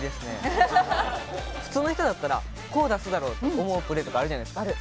普通の人だったらこう出すだろうと思うプレーとかあるじゃないですか。